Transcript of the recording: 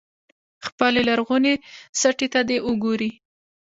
خپلې لرغونې سټې ته دې وګوري.